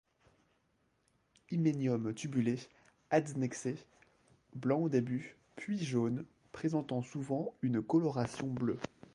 Hyménium tubulé, adnexé, blanc au début, puis jaunes, présentant souvent une coloration bleue.